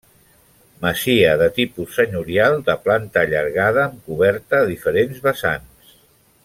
Masia de tipus senyorial, de planta allargada amb coberta a diferents vessants.